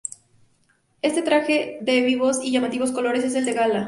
Este traje, de vivos y llamativos colores, es el de gala.